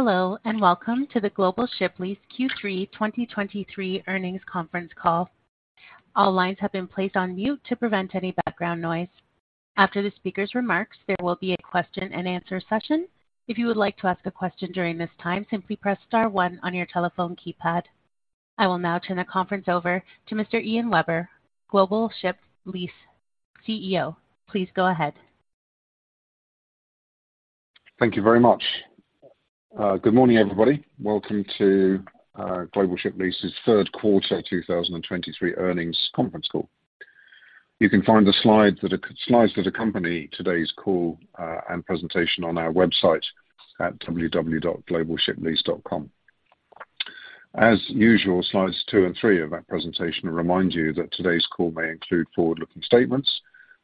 Hello, and welcome to the Global Ship Lease Q3 2023 Earnings Conference Call. All lines have been placed on mute to prevent any background noise. After the speaker's remarks, there will be a question and answer session. If you would like to ask a question during this time, simply press star one on your telephone keypad. I will now turn the conference over to Mr. Ian Webber, Global Ship Lease CEO. Please go ahead. Thank you very much. Good morning, everybody. Welcome to Global Ship Lease's third quarter 2023 earnings conference call. You can find the slides that accompany today's call and presentation on our website at www.globalshiplease.com. As usual, slides 2 and 3 of that presentation remind you that today's call may include forward-looking statements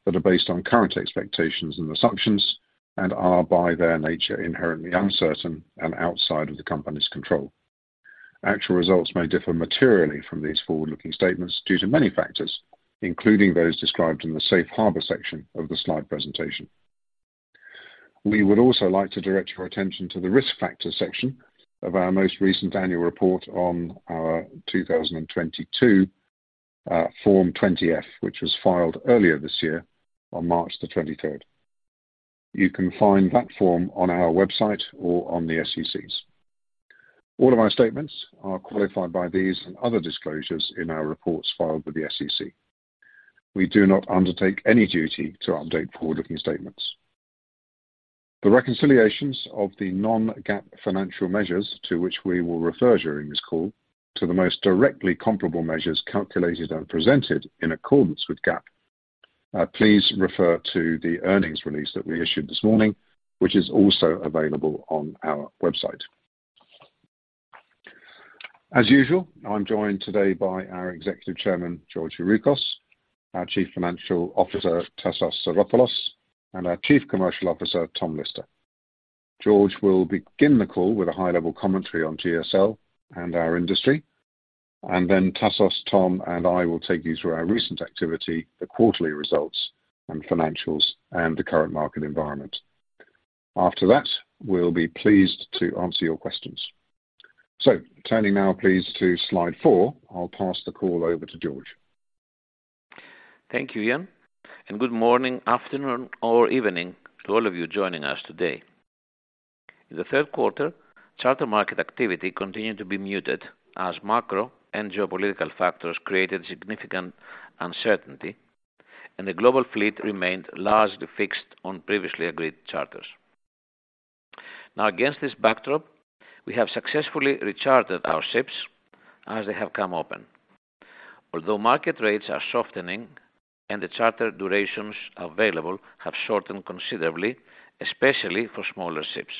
that are based on current expectations and assumptions, and are, by their nature, inherently uncertain and outside of the company's control. Actual results may differ materially from these forward-looking statements due to many factors, including those described in the Safe Harbor section of the slide presentation. We would also like to direct your attention to the risk factors section of our most recent annual report on our 2022 Form 20-F, which was filed earlier this year on March the twenty-third. You can find that form on our website or on the SEC's. All of our statements are qualified by these and other disclosures in our reports filed with the SEC. We do not undertake any duty to update forward-looking statements. The reconciliations of the non-GAAP financial measures, to which we will refer during this call, to the most directly comparable measures calculated and presented in accordance with GAAP. Please refer to the earnings release that we issued this morning, which is also available on our website. As usual, I'm joined today by our Executive Chairman, George Youroukos, our Chief Financial Officer, Tassos Psaropoulos, and our Chief Commercial Officer, Tom Lister. George will begin the call with a high-level commentary on GSL and our industry, and then Tassos, Tom, and I will take you through our recent activity, the quarterly results and financials, and the current market environment. After that, we'll be pleased to answer your questions. Turning now, please, to slide four. I'll pass the call over to George. Thank you, Ian, and good morning, afternoon, or evening to all of you joining us today. In the third quarter, charter market activity continued to be muted as macro and geopolitical factors created significant uncertainty, and the global fleet remained largely fixed on previously agreed charters. Now, against this backdrop, we have successfully rechartered our ships as they have come open. Although market rates are softening and the charter durations available have shortened considerably, especially for smaller ships.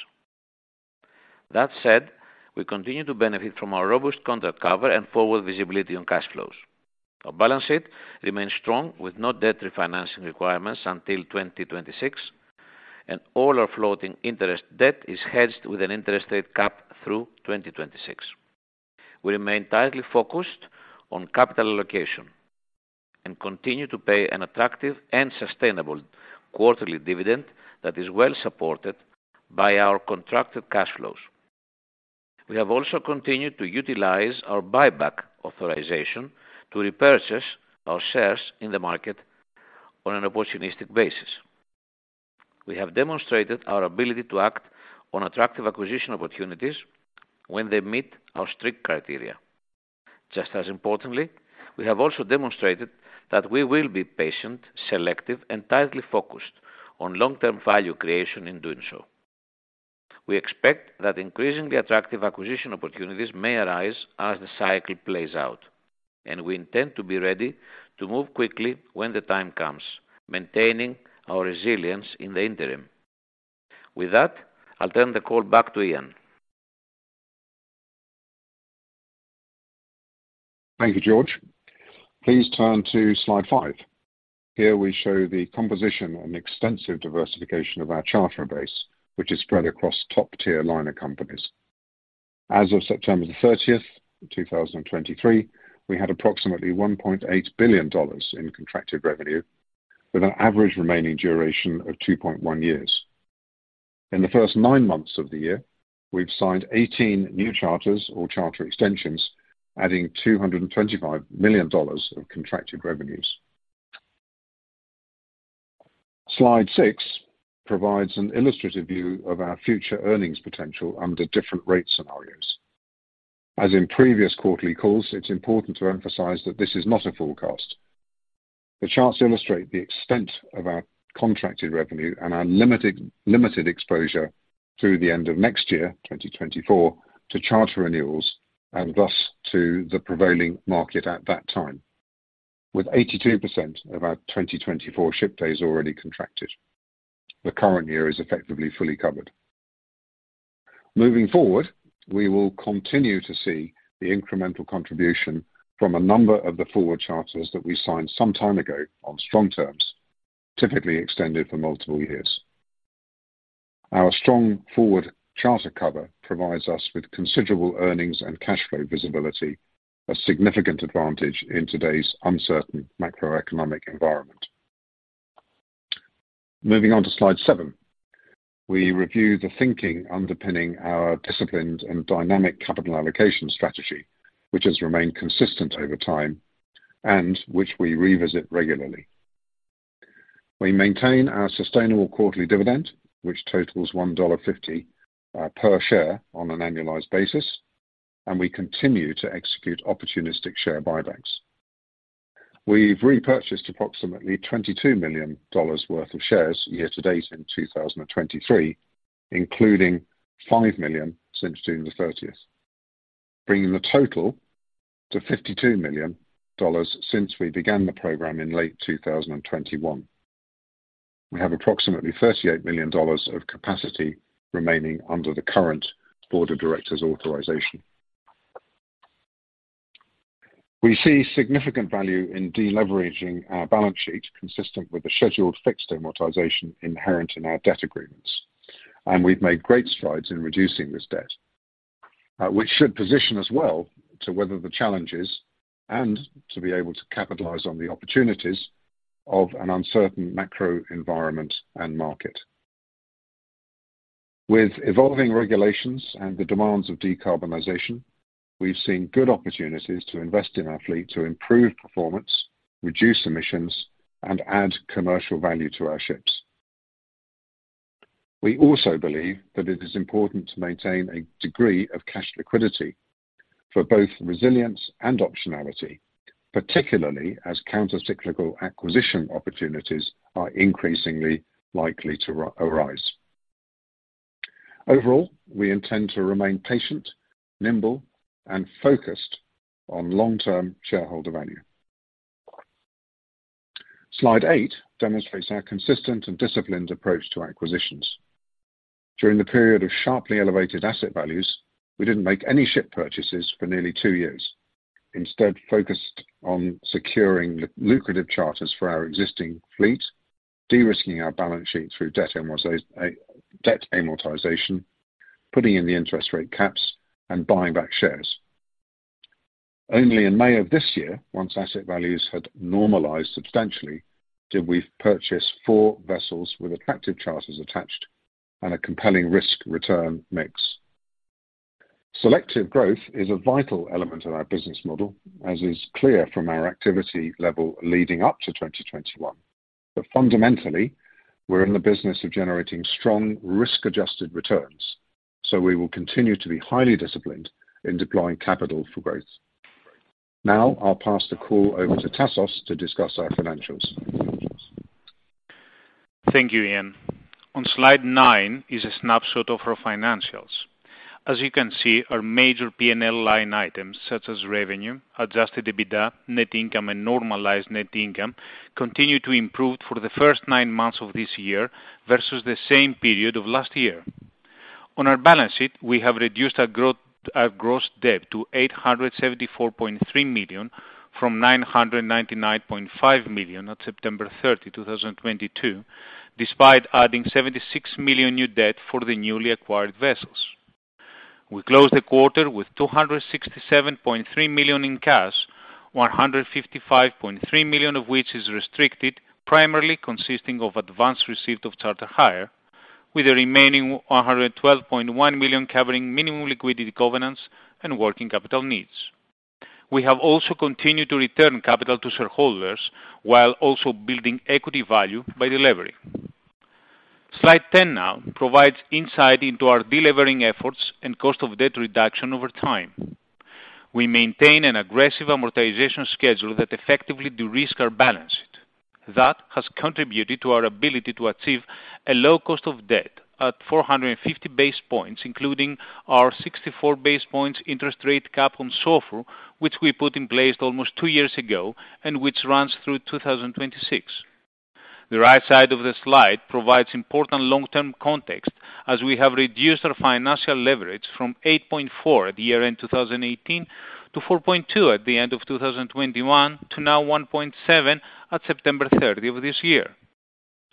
That said, we continue to benefit from our robust contract cover and forward visibility on cash flows. Our balance sheet remains strong, with no debt refinancing requirements until 2026, and all our floating interest debt is hedged with an interest rate cap through 2026. We remain tightly focused on capital allocation and continue to pay an attractive and sustainable quarterly dividend that is well supported by our contracted cash flows. We have also continued to utilize our buyback authorization to repurchase our shares in the market on an opportunistic basis. We have demonstrated our ability to act on attractive acquisition opportunities when they meet our strict criteria. Just as importantly, we have also demonstrated that we will be patient, selective, and tightly focused on long-term value creation in doing so. We expect that increasingly attractive acquisition opportunities may arise as the cycle plays out, and we intend to be ready to move quickly when the time comes, maintaining our resilience in the interim. With that, I'll turn the call back to Ian. Thank you, George. Please turn to slide 5. Here, we show the composition and extensive diversification of our charter base, which is spread across top-tier liner companies. As of September 30, 2023, we had approximately $1.8 billion in contracted revenue, with an average remaining duration of 2.1 years. In the first nine months of the year, we've signed 18 new charters or charter extensions, adding $225 million of contracted revenues. Slide 6 provides an illustrative view of our future earnings potential under different rate scenarios. As in previous quarterly calls, it's important to emphasize that this is not a forecast. The charts illustrate the extent of our contracted revenue and our limited, limited exposure through the end of next year, 2024, to charter renewals and thus to the prevailing market at that time. With 82% of our 2024 ship days already contracted, the current year is effectively fully covered. Moving forward, we will continue to see the incremental contribution from a number of the forward charters that we signed some time ago on strong terms, typically extended for multiple years. Our strong forward charter cover provides us with considerable earnings and cash flow visibility, a significant advantage in today's uncertain macroeconomic environment.... Moving on to Slide 7. We review the thinking underpinning our disciplined and dynamic capital allocation strategy, which has remained consistent over time and which we revisit regularly. We maintain our sustainable quarterly dividend, which totals $1.50 per share on an annualized basis, and we continue to execute opportunistic share buybacks. We've repurchased approximately $22 million worth of shares year to date in 2023, including $5 million since June 30, bringing the total to $52 million since we began the program in late 2021. We have approximately $38 million of capacity remaining under the current board of directors authorization. We see significant value in deleveraging our balance sheet, consistent with the scheduled fixed amortization inherent in our debt agreements, and we've made great strides in reducing this debt, which should position us well to weather the challenges and to be able to capitalize on the opportunities of an uncertain macro environment and market. With evolving regulations and the demands of decarbonization, we've seen good opportunities to invest in our fleet, to improve performance, reduce emissions, and add commercial value to our ships. We also believe that it is important to maintain a degree of cash liquidity for both resilience and optionality, particularly as countercyclical acquisition opportunities are increasingly likely to arise. Overall, we intend to remain patient, nimble, and focused on long-term shareholder value. Slide 8 demonstrates our consistent and disciplined approach to acquisitions. During the period of sharply elevated asset values, we didn't make any ship purchases for nearly 2 years. Instead, focused on securing lucrative charters for our existing fleet, de-risking our balance sheet through debt amortization, putting in the interest rate caps, and buying back shares. Only in May of this year, once asset values had normalized substantially, did we purchase 4 vessels with attractive charters attached and a compelling risk-return mix. Selective growth is a vital element of our business model, as is clear from our activity level leading up to 2021. But fundamentally, we're in the business of generating strong risk-adjusted returns, so we will continue to be highly disciplined in deploying capital for growth. Now, I'll pass the call over to Tassos to discuss our financials. Thank you, Ian. On slide 9 is a snapshot of our financials. As you can see, our major P&L line items, such as revenue, Adjusted EBITDA, net income, and normalized net income, continue to improve for the first 9 months of this year versus the same period of last year. On our balance sheet, we have reduced our gross debt to $874.3 million, from $999.5 million on September 30, 2022, despite adding $76 million new debt for the newly acquired vessels. We closed the quarter with $267.3 million in cash, $155.3 million of which is restricted, primarily consisting of advanced receipt of charter hire, with the remaining $112.1 million covering minimum liquidity, governance, and working capital needs. We have also continued to return capital to shareholders while also building equity value by de-levering. Slide 10 now provides insight into our de-levering efforts and cost of debt reduction over time. We maintain an aggressive amortization schedule that effectively de-risk our balance sheet. That has contributed to our ability to achieve a low cost of debt at 450 basis points, including our 64 basis points interest rate cap on SOFR, which we put in place almost two years ago and which runs through 2026. The right side of the slide provides important long-term context as we have reduced our financial leverage from 8.4 at the year-end 2018, to 4.2 at the end of 2021, to now 1.7 at September 30 of this year.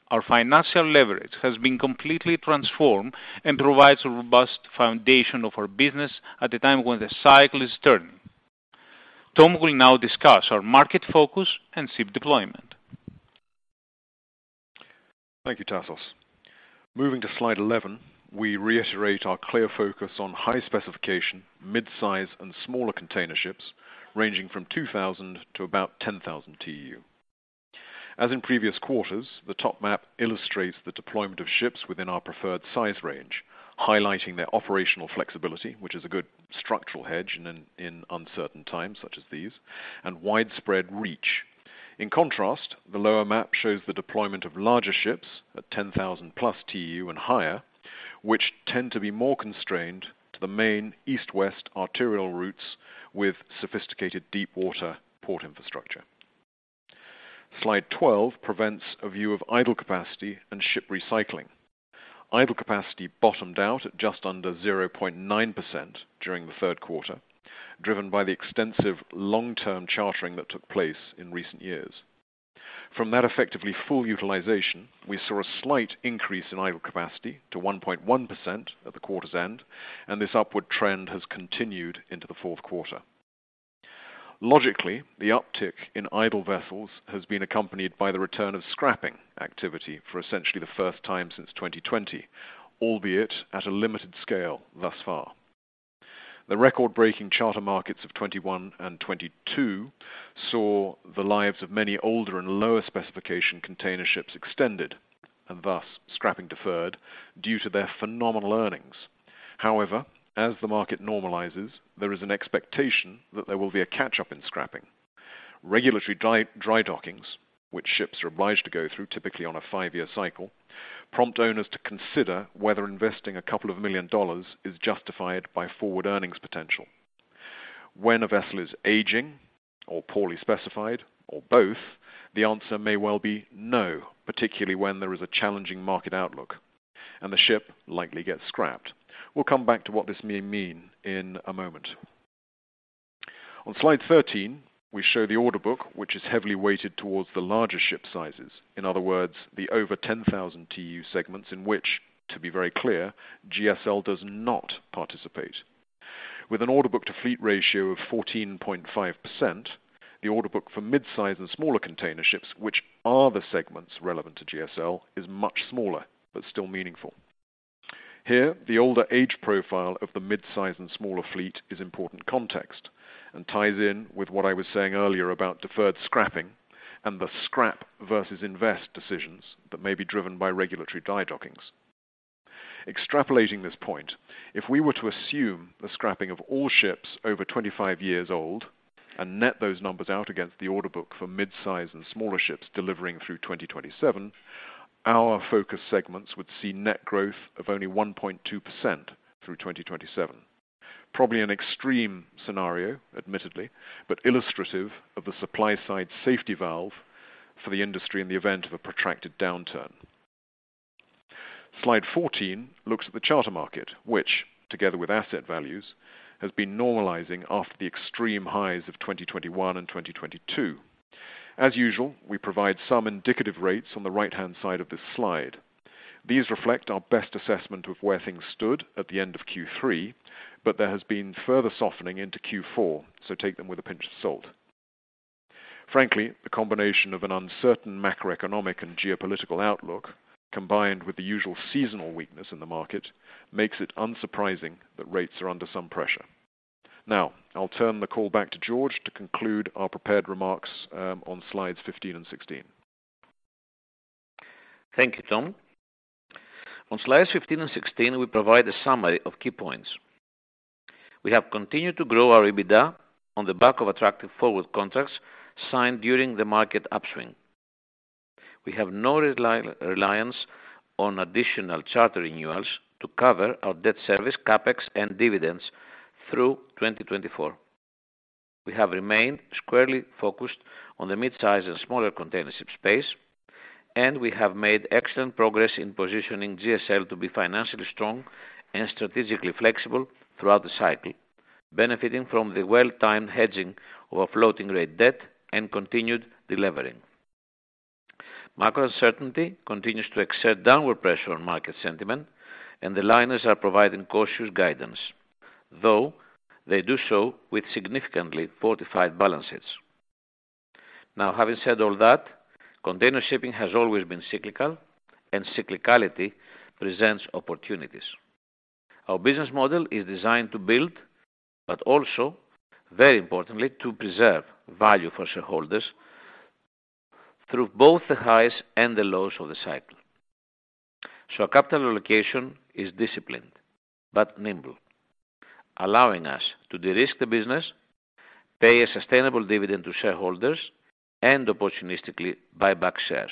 Our financial leverage has been completely transformed and provides a robust foundation of our business at a time when the cycle is turning. Tom will now discuss our market focus and ship deployment. Thank you, Tassos. Moving to slide 11, we reiterate our clear focus on high specification, mid-size, and smaller container ships ranging from 2,000 to about 10,000 TEU. As in previous quarters, the top map illustrates the deployment of ships within our preferred size range, highlighting their operational flexibility, which is a good structural hedge in uncertain times such as these, and widespread reach. In contrast, the lower map shows the deployment of larger ships at 10,000+ TEU and higher, which tend to be more constrained to the main east-west arterial routes with sophisticated deep water port infrastructure. Slide 12 presents a view of idle capacity and ship recycling. Idle capacity bottomed out at just under 0.9% during the third quarter, driven by the extensive long-term chartering that took place in recent years. From that, effectively full utilization, we saw a slight increase in idle capacity to 1.1% at the quarter's end, and this upward trend has continued into the fourth quarter. Logically, the uptick in idle vessels has been accompanied by the return of scrapping activity for essentially the first time since 2020, albeit at a limited scale thus far. The record-breaking charter markets of 2021 and 2022 saw the lives of many older and lower specification container ships extended, and thus scrapping deferred due to their phenomenal earnings. However, as the market normalizes, there is an expectation that there will be a catch-up in scrapping. Regulatory dry dockings, which ships are obliged to go through, typically on a five-year cycle, prompt owners to consider whether investing $2 million is justified by forward earnings potential. When a vessel is aging or poorly specified or both, the answer may well be no, particularly when there is a challenging market outlook, and the ship likely gets scrapped. We'll come back to what this may mean in a moment. On slide 13, we show the order book, which is heavily weighted towards the larger ship sizes. In other words, the over 10,000 TEU segments, in which, to be very clear, GSL does not participate. With an order book to fleet ratio of 14.5%, the order book for mid-size and smaller container ships, which are the segments relevant to GSL, is much smaller, but still meaningful. Here, the older age profile of the mid-size and smaller fleet is important context and ties in with what I was saying earlier about deferred scrapping and the scrap versus invest decisions that may be driven by regulatory dry dockings. Extrapolating this point, if we were to assume the scrapping of all ships over 25 years old and net those numbers out against the order book for mid-size and smaller ships delivering through 2027, our focus segments would see net growth of only 1.2% through 2027. Probably an extreme scenario, admittedly, but illustrative of the supply side safety valve for the industry in the event of a protracted downturn. Slide 14 looks at the charter market, which together with asset values, has been normalizing after the extreme highs of 2021 and 2022. As usual, we provide some indicative rates on the right-hand side of this slide. These reflect our best assessment of where things stood at the end of Q3, but there has been further softening into Q4, so take them with a pinch of salt. Frankly, the combination of an uncertain macroeconomic and geopolitical outlook, combined with the usual seasonal weakness in the market, makes it unsurprising that rates are under some pressure. Now, I'll turn the call back to George to conclude our prepared remarks, on slides 15 and 16. Thank you, Tom. On slides 15 and 16, we provide a summary of key points. We have continued to grow our EBITDA on the back of attractive forward contracts signed during the market upswing. We have no reliance on additional charter renewals to cover our debt service, CapEx, and dividends through 2024. We have remained squarely focused on the mid-size and smaller container ship space, and we have made excellent progress in positioning GSL to be financially strong and strategically flexible throughout the cycle, benefiting from the well-timed hedging of floating rate debt and continued delivery. Macro uncertainty continues to exert downward pressure on market sentiment, and the liners are providing cautious guidance, though they do so with significantly fortified balances. Now, having said all that, container shipping has always been cyclical, and cyclicality presents opportunities. Our business model is designed to build, but also, very importantly, to preserve value for shareholders through both the highs and the lows of the cycle. So our capital allocation is disciplined but nimble, allowing us to de-risk the business, pay a sustainable dividend to shareholders, and opportunistically buy back shares.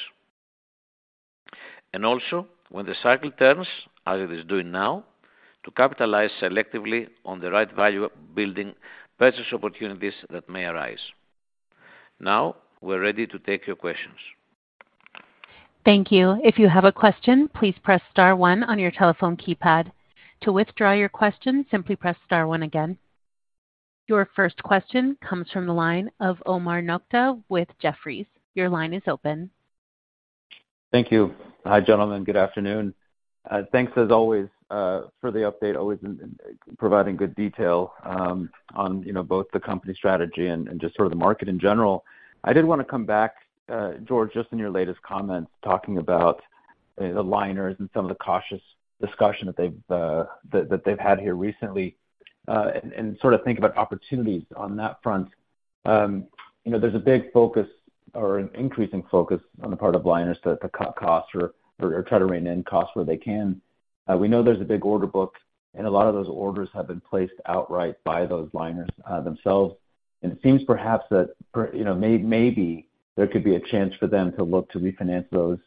And also, when the cycle turns, as it is doing now, to capitalize selectively on the right value, building purchase opportunities that may arise. Now, we're ready to take your questions. Thank you. If you have a question, please press star one on your telephone keypad. To withdraw your question, simply press star one again. Your first question comes from the line of Omar Nokta with Jefferies. Your line is open. Thank you. Hi, gentlemen. Good afternoon. Thanks as always for the update and providing good detail on, you know, both the company strategy and just sort of the market in general. I did wanna come back, George, just in your latest comments, talking about the liners and some of the cautious discussion that they've had here recently and sort of think about opportunities on that front. You know, there's a big focus or an increasing focus on the part of liners to cut costs or try to rein in costs where they can. We know there's a big order book, and a lot of those orders have been placed outright by those liners themselves. And it seems perhaps that you know, maybe there could be a chance for them to look to refinance those,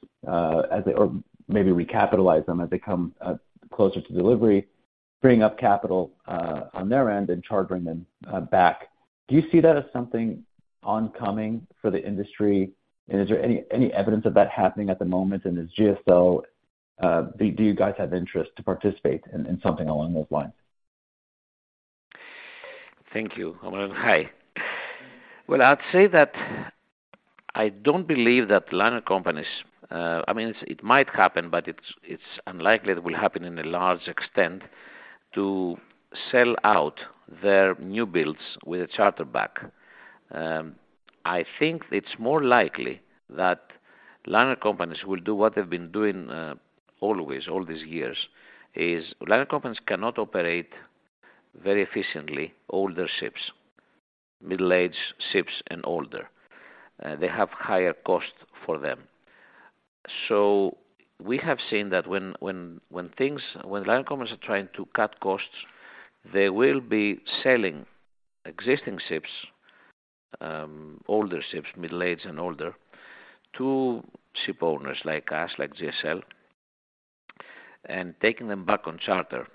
as they or maybe recapitalize them as they come closer to delivery, bring up capital on their end and chartering them back. Do you see that as something oncoming for the industry, and is there any evidence of that happening at the moment, and does GSL do you guys have interest to participate in something along those lines? Thank you, Omar, and hi. Well, I'd say that I don't believe that liner companies, I mean, it might happen, but it's unlikely that will happen in a large extent, to sell out their new builds with a charter back. I think it's more likely that liner companies will do what they've been doing, always, all these years, is liner companies cannot operate very efficiently older ships, middle-aged ships, and older. They have higher cost for them. So we have seen that when liner companies are trying to cut costs, they will be selling existing ships, older ships, middle-aged and older, to ship owners like us, like GSL, and taking them back on charter,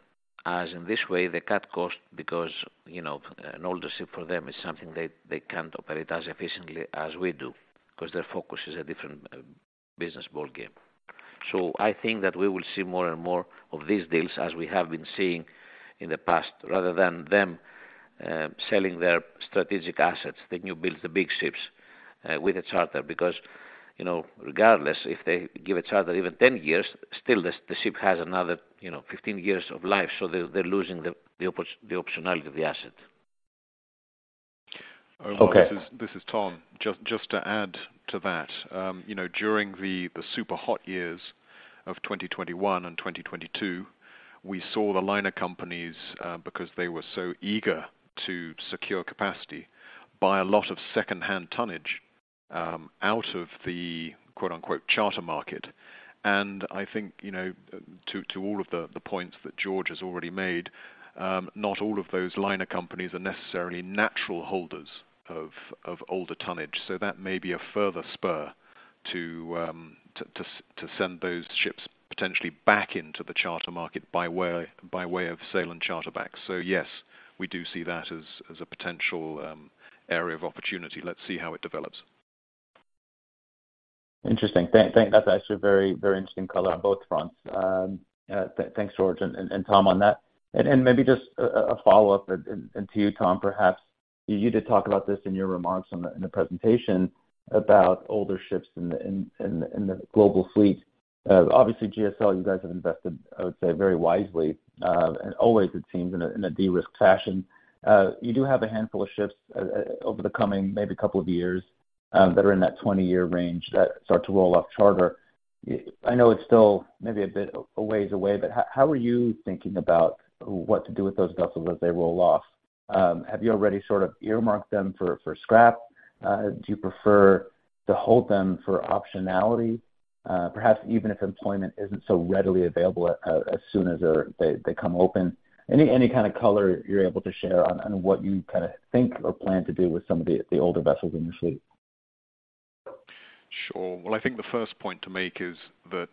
as in this way, they cut costs because, you know, an older ship for them is something they can't operate as efficiently as we do, because their focus is a different business ballgame. So I think that we will see more and more of these deals, as we have been seeing in the past, rather than them selling their strategic assets, the new builds, the big ships with a charter, because, you know, regardless if they give a charter even 10 years, still, the ship has another, you know, 15 years of life, so they're losing the optionality of the asset. Okay. This is Tom. Just to add to that, you know, during the super hot years of 2021 and 2022, we saw the liner companies, because they were so eager to secure capacity, buy a lot of secondhand tonnage out of the quote-unquote "charter market." And I think, you know, to all of the points that George has already made, not all of those liner companies are necessarily natural holders of older tonnage, so that may be a further spur to send those ships potentially back into the charter market by way of sale and charter back. So yes, we do see that as a potential area of opportunity. Let's see how it develops. Interesting. That's actually a very, very interesting color on both fronts. Thanks, George and Tom, on that. And maybe just a follow-up to you, Tom, perhaps. You did talk about this in your remarks in the presentation about older ships in the global fleet. Obviously, GSL, you guys have invested, I would say, very wisely, and always it seems, in a de-risk fashion. You do have a handful of ships over the coming couple of years that are in that 20-year range that start to roll off charter. I know it's still maybe a bit of a ways away, but how are you thinking about what to do with those vessels as they roll off? Have you already sort of earmarked them for scrap? Do you prefer to hold them for optionality, perhaps even if employment isn't so readily available, as soon as they come open? Any kind of color you're able to share on what you kinda think or plan to do with some of the older vessels in your fleet? Sure. Well, I think the first point to make is that,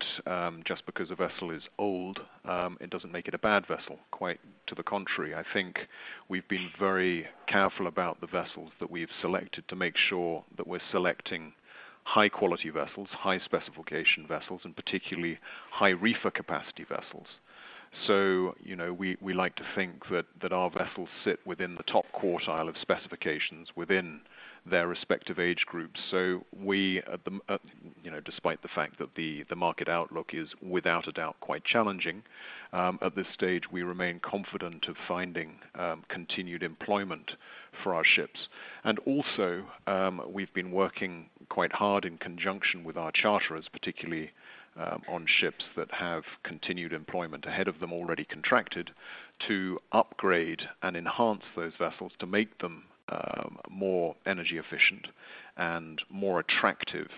just because a vessel is old, it doesn't make it a bad vessel. Quite to the contrary, I think we've been very careful about the vessels that we've selected to make sure that we're selecting high-quality vessels, high-specification vessels, and particularly high reefer capacity vessels. So, you know, we like to think that our vessels sit within the top quartile of specifications within their respective age groups. So, you know, despite the fact that the market outlook is without a doubt, quite challenging, at this stage, we remain confident of finding continued employment for our ships. And also, we've been working quite hard in conjunction with our charterers, particularly, on ships that have continued employment ahead of them, already contracted, to upgrade and enhance those vessels, to make them, more energy efficient and more attractive,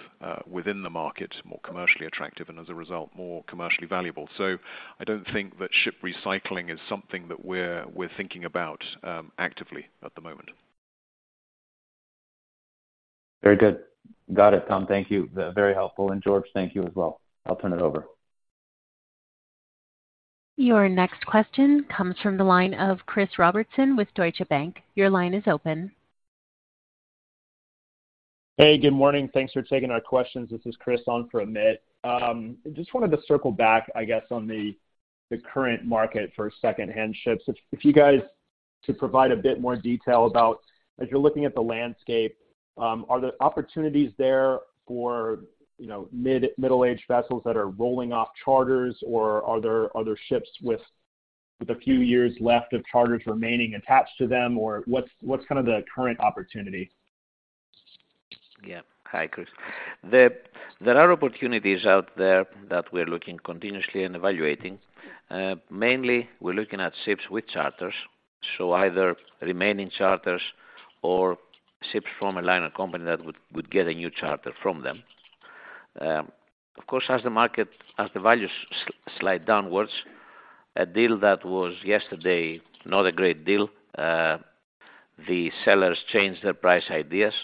within the market, more commercially attractive, and as a result, more commercially valuable. So I don't think that ship recycling is something that we're thinking about, actively at the moment. Very good. Got it, Tom. Thank you. Very helpful. George, thank you as well. I'll turn it over. Your next question comes from the line of Chris Robertson with Deutsche Bank. Your line is open. Hey, good morning. Thanks for taking our questions. This is Chris on for Amit. Just wanted to circle back, I guess, on the current market for secondhand ships. If you guys could provide a bit more detail about as you're looking at the landscape, are there opportunities there for, you know, middle-aged vessels that are rolling off charters, or are there other ships with a few years left of charters remaining attached to them? Or what's kind of the current opportunity? Yeah. Hi, Chris. There are opportunities out there that we're looking continuously and evaluating. Mainly, we're looking at ships with charters, so either remaining charters or ships from a liner company that would get a new charter from them. Of course, as the market, as the values slide downwards, a deal that was yesterday, not a great deal, the sellers change their price ideas,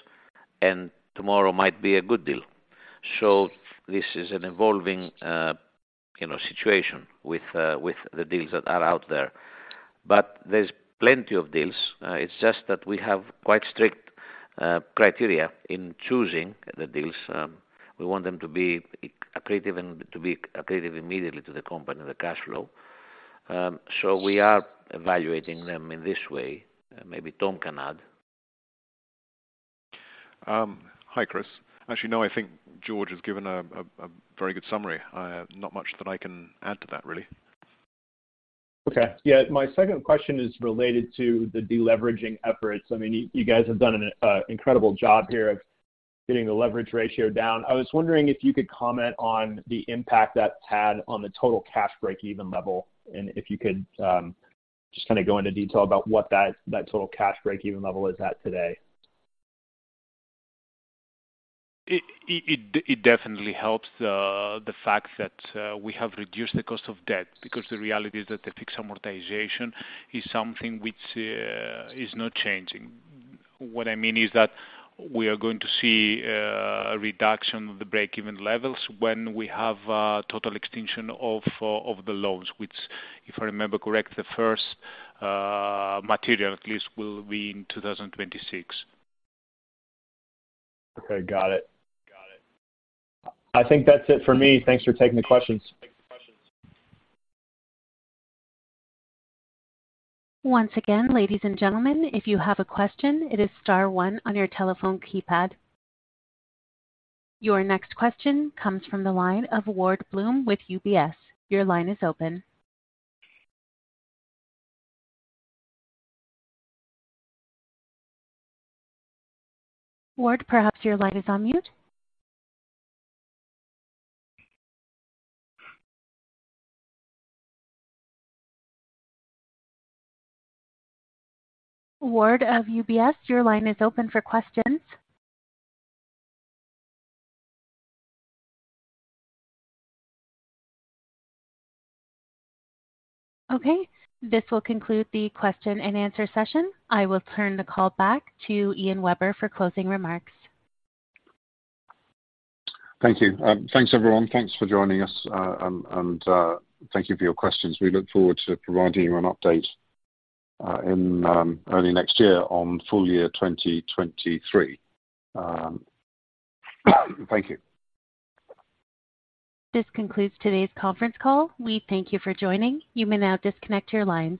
and tomorrow might be a good deal. So this is an evolving, you know, situation with the deals that are out there. But there's plenty of deals. It's just that we have quite strict criteria in choosing the deals. We want them to be accretive and to be accretive immediately to the company, the cash flow. So we are evaluating them in this way. Maybe Tom can add. Hi, Chris. Actually, no, I think George has given a very good summary. Not much that I can add to that, really. Okay. Yeah, my second question is related to the deleveraging efforts. I mean, you guys have done an incredible job here of getting the leverage ratio down. I was wondering if you could comment on the impact that's had on the total cash break-even level, and if you could just kind of go into detail about what that total cash break-even level is at today. It definitely helps the fact that we have reduced the cost of debt, because the reality is that the fixed amortization is something which is not changing. What I mean is that we are going to see a reduction of the break-even levels when we have total extinction of the loans, which, if I remember correct, the first material at least will be in 2026. Okay, got it. I think that's it for me. Thanks for taking the questions. Once again, ladies and gentlemen, if you have a question, it is star one on your telephone keypad. Your next question comes from the line of Ward Bloom with UBS. Your line is open. Ward, perhaps your line is on mute? Ward, of UBS, your line is open for questions. Okay, this will conclude the question and answer session. I will turn the call back to Ian Webber for closing remarks. Thank you. Thanks, everyone. Thanks for joining us, and thank you for your questions. We look forward to providing you an update in early next year on full year 2023. Thank you. This concludes today's conference call. We thank you for joining. You may now disconnect your lines.